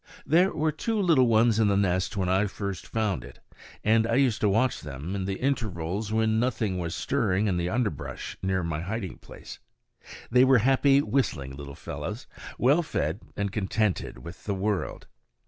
There were two little ones in the nest when I first found it; and I used to watch them in the intervals when nothing was stirring in the underbrush near my hiding place. They were happy, whistling, little fellows, well fed and contented with the world.